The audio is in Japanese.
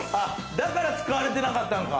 だから使われてなかったのか。